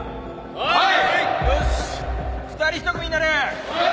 はい。